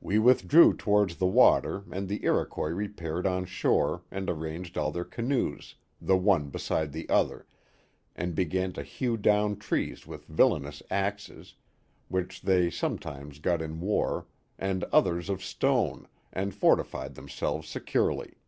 We withdrew towards the water and the Iroquois repaired on shore and arranged all their canoes, the one beside the other, and began to hew down trees with villainous axes, which they some times got in war, and others of stone, and fortified themselves securely.